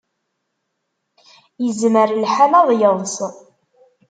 Yezmer lḥal ad yeḍs.